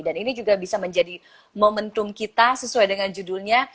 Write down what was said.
dan ini juga bisa menjadi momentum kita sesuai dengan judulnya